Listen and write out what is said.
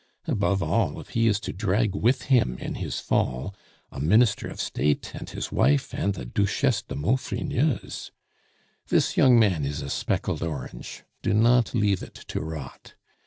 Above all, if he is to drag with him in his fall a Minister of State, and his wife, and the Duchesse du Maufrigneuse. "This young man is a speckled orange; do not leave it to rot.